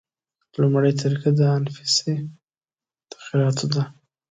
لومړۍ طریقه د انفسي تغییراتو ده.